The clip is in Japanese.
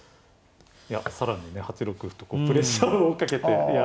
いや更にね８六歩とプレッシャーをかけて。